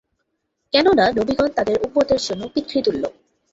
কেননা, নবীগণ তাদের উম্মতের জন্যে পিতৃতুল্য।